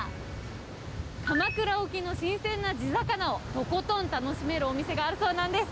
鎌倉沖の新鮮な地魚をとことん楽しめるお店があるそうなんです。